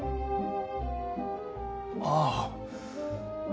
ああ。